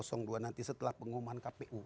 antara satu dua nanti setelah pengumuman kpu